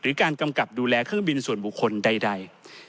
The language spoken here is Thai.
การกำกับดูแลเครื่องบินส่วนบุคคลใด